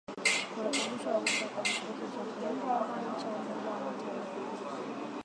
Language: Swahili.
kurekebishwa upya kwa kikosi cha kulinda amani cha Umoja wa Mataifa